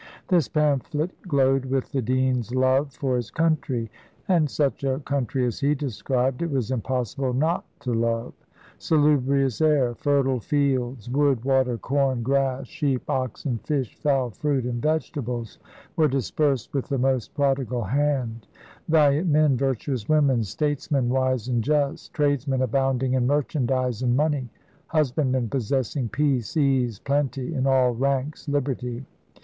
This pamphlet glowed with the dean's love for his country; and such a country as he described, it was impossible not to love. "Salubrious air, fertile fields, wood, water, corn, grass, sheep, oxen, fish, fowl, fruit, and vegetables," were dispersed with the most prodigal hand; "valiant men, virtuous women; statesmen wise and just; tradesmen abounding in merchandise and money; husbandmen possessing peace, ease, plenty; and all ranks liberty."